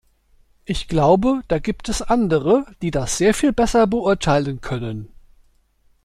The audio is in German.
Ich glaube, da gibt es andere, die das sehr viel besser beurteilen können.